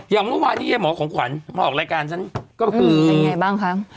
อย่างเมื่อวานนี้ยายหมอของขวัญมาออกรายการฉันก็คือเป็นยังไงบ้างคะ